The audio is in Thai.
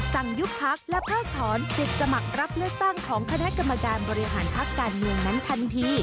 สั่งยุคพรรคและพราคธรรมจิตสมัครรับเลือกตั้งของคณะกรรมการบริหารพรรคการเมืองนั้นทันที